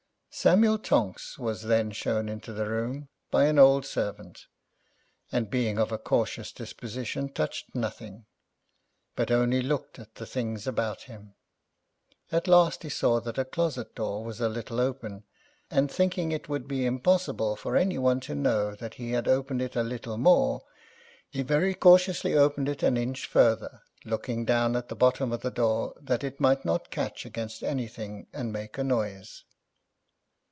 Samuel Tonks was then shown into the room, by an old servant, and, being of a cautious disposition, touched nothing, but only looked at the things about him. At last he saw that a closet door was a little open, and thinking it would be impossible for any one to know that he had opened it a little more, he very cautiously opened it an inch further, looking down at the bottom of the door that it might not catch against anything and make a noise.